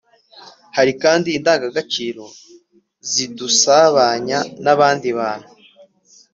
Hari kandi indangagaciro zidusabanya n'abandi bantu